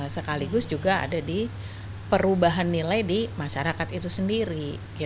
sekaligus juga ada di perubahan nilai di masyarakat itu sendiri